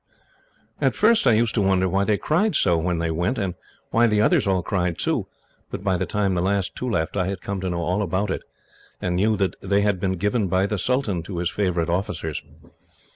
"At first, I used to wonder why they cried so when they went, and why the others all cried, too; but by the time the last two left, I had come to know all about it, and knew that they had been given by the sultan to his favourite officers.